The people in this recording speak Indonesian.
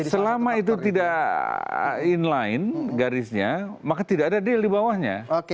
selama itu tidak inline garisnya maka tidak ada deal di bawahnya